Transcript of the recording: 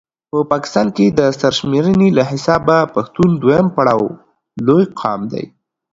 په پاکستان کې د سر شميرني له حسابه پښتون دویم پړاو لوي قام دی